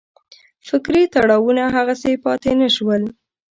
فکري تړاوونه هغسې پاتې نه شول.